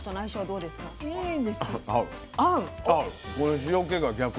うん。